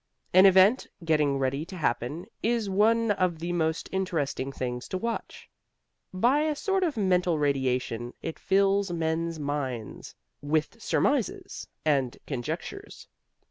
An event getting ready to happen is one of the most interesting things to watch. By a sort of mental radiation it fills men's minds with surmises and conjectures.